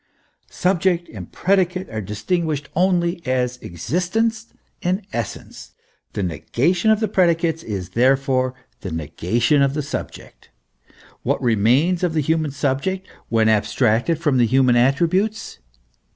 Subject and predi cate are distinguished only as existence and essence. The negation of the predicates is therefore the negation of the sub ject. What remains of the human subject when abstracted from the human attributes